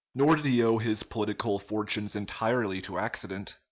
Nor did he owe his political fortunes entirely to accident.